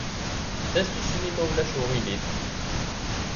Tasusmi, ma ulac aɣilif.